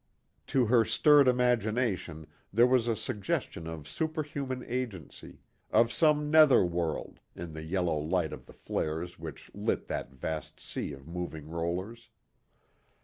To her stirred imagination there was a suggestion of superhuman agency, of some nether world, in the yellow light of the flares which lit that vast sea of moving rollers.